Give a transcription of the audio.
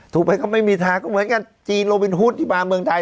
ถูกไหมก็ไม่มีทางก็เหมือนกันจีนโลวินฮุดที่มาเมืองไทย